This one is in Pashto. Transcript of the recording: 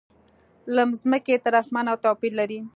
له مځکې تر اسمانه توپیر لري.